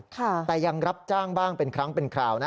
แต่ยังรับจ้างบ้างเป็นครั้งเป็นคราวนะ